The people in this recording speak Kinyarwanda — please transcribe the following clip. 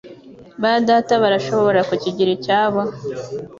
ba Data barashobora kukigira icyabo?